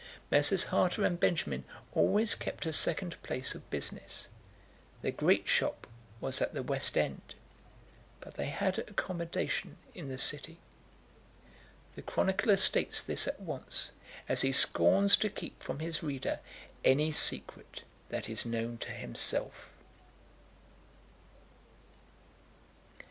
Messrs. Harter and Benjamin always kept a second place of business. Their great shop was at the West end; but they had accommodation in the City. The chronicler states this at once, as he scorns to keep from his reader any secret that is known to himself.